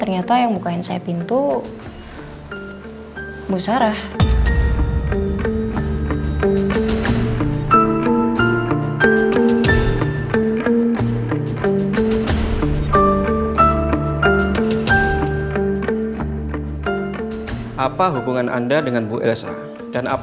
mengobok yang saya pintu bu sarah apa hubungan anda dengan bu elsa dan